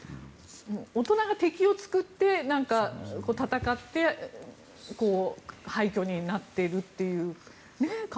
大人が敵を作って、戦って廃虚になっているという感じがして。